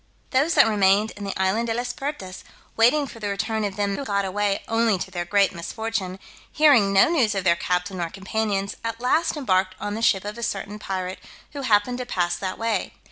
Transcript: Those that remained in the island De las Pertas, waiting for the return of them who got away only to their great misfortune, hearing no news of their captain nor companions, at last embarked on the ship of a certain pirate, who happened to pass that way.